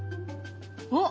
おっ！